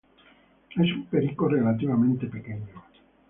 Es un perico relativamente pequeño.